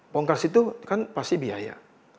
bongkar situ kan pasti biaya